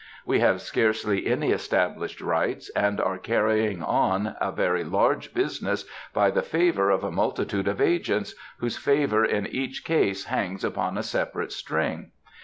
We have scarcely any established rights, and are carrying on a very large business by the favor of a multitude of agents, whose favor in each case hangs upon a separate string.